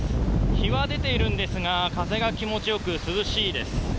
日は出ているんですが風が気持ちよく涼しいです。